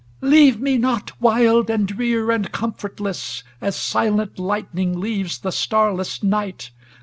* Leave me not wild and drear and com' fortless, As silent lightning leaves the starless night